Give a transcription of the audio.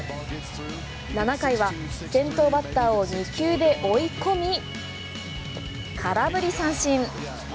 ７回は先頭バッターを２球で追い込み、空振り三振。